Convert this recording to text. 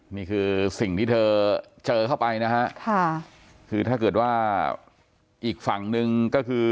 นี่คือสิ่งที่เธอเจอเข้าไปนะฮะค่ะคือถ้าเกิดว่าอีกฝั่งหนึ่งก็คือ